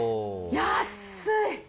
安い！